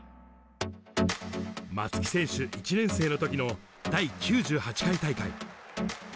松木選手、１年生のときの第９８回大会。